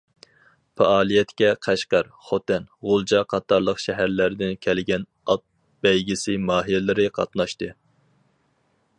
پائالىيەتكە قەشقەر، خوتەن، غۇلجا قاتارلىق شەھەرلەردىن كەلگەن ئات بەيگىسى ماھىرلىرى قاتناشتى.